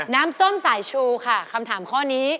น้ำส้มสายชูค่ะคำถามข้อนี้